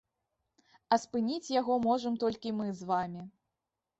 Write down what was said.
А спыніць яго можам толькі мы з вамі.